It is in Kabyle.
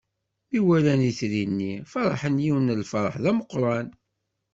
Mi walan itri-nni, feṛḥen yiwen n lfeṛḥ d ameqqran.